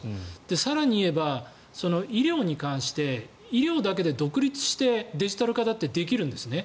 更に言えば、医療に関して医療だけで独立してデジタル化だってできるんですね。